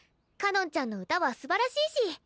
かのんちゃんの歌はすばらしいし。